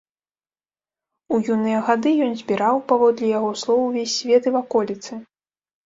У юныя гады ён збіраў, паводле яго слоў, увесь свет і ваколіцы.